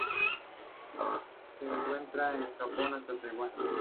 Se encuentra desde el Japón hasta Taiwán.